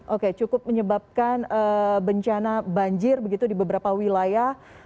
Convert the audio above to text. oke cukup menyebabkan bencana banjir begitu di beberapa wilayah